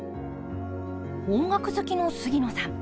音楽好きの杉野さん。